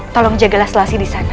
tolong jagalah selasi disana